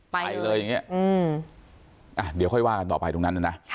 ไปเลยอย่างเงี้ยอืมอ่าเดี๋ยวค่อยว่ากันต่อไปตรงนั้นนะค่ะ